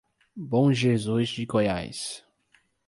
Bom Jesus de Goiás